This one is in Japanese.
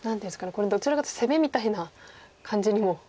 これどちらかというと攻めみたいな感じにも。